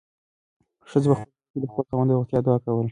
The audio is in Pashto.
ښځې په خپل زړه کې د خپل خاوند د روغتیا دعا کوله.